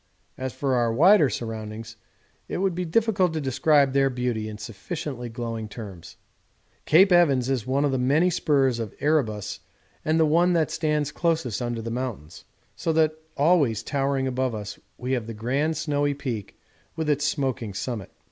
As for our wider surroundings it would be difficult to describe their beauty in sufficiently glowing terms. Cape Evans is one of the many spurs of Erebus and the one that stands closest under the mountain, so that always towering above us we have the grand snowy peak with its smoking summit.